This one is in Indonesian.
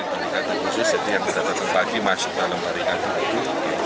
ini perikatan khusus setiap kita datang pagi masuk dalam perikatan itu